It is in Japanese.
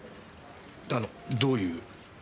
あのどういう？